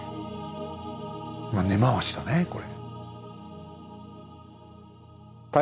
根回しだねこれ。